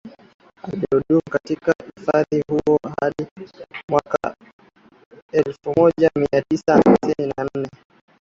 Alihudumu katika wadhifa huo hadi mwaka elfumoja mia tisa hamsini na nne